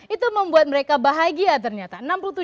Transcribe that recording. itu membuat mereka bahagia ternyata